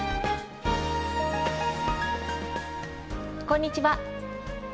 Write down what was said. こんにちは。